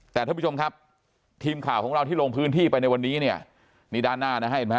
แต่ท่านผู้ชมครับทีมข่าวของเราที่ลงพื้นที่ไปในวันนี้เนี่ยนี่ด้านหน้านะฮะเห็นไหมฮ